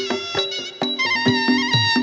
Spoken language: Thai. โชว์ที่สุดท้าย